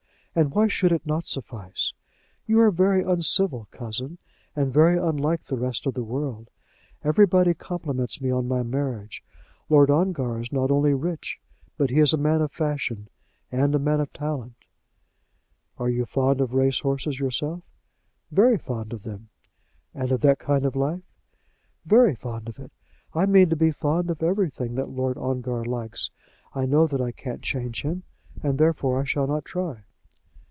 And why should it not suffice? You are very uncivil, cousin, and very unlike the rest of the world. Everybody compliments me on my marriage. Lord Ongar is not only rich, but he is a man of fashion, and a man of talent." "Are you fond of race horses yourself?" "Very fond of them." "And of that kind of life?" "Very fond of it. I mean to be fond of everything that Lord Ongar likes. I know that I can't change him, and, therefore, I shall not try."